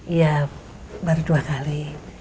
iya baru dua kali